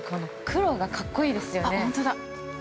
黒が格好いいですよね。